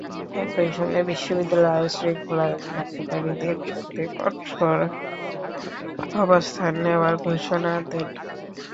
একই সঙ্গে বিশ্ববিদ্যালয়ের আইনশৃঙ্খলা ব্যাহতকারীদের বিরুদ্ধে কঠোর অবস্থান নেওয়ার ঘোষণা দেন।